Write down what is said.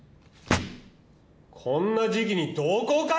こんな時期に同好会！？